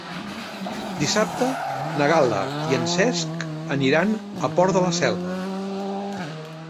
Dissabte na Gal·la i en Cesc aniran al Port de la Selva.